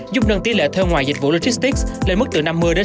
giúp nâng tỷ lệ theo ngoài dịch vụ logistics lên mức từ năm mươi sáu mươi